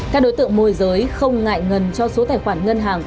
các đối tượng môi giới không ngại ngần cho số tài khoản ngân hàng